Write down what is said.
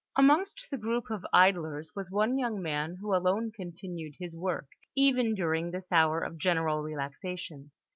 Amongst the group of idlers was one young man who alone continued his work, even during this hour of general relaxation.